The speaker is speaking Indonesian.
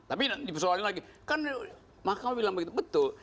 tapi dipersoalin lagi kan mahkamah bilang begitu betul